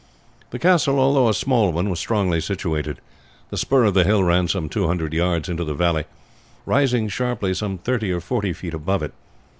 The castle, although a small one, was strongly situated. The spur of the hill ran some 200 yards into the valley, rising sharply some 30 or 40 feet above it.